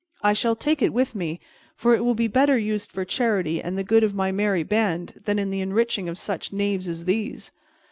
I shall take it with me, for it will be better used for charity and the good of my merry band than in the enriching of such knaves as these."